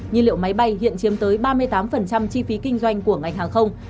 nhiên liệu máy bay hiện chiếm tới ba mươi tám chi phí kinh doanh của ngành hàng không